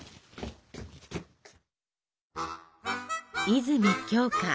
泉鏡花